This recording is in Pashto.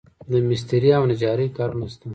د مسترۍ او نجارۍ کارونه شته